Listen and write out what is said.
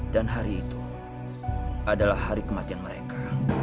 dan hari itu adalah hari kematian mereka